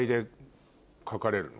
描かれるの？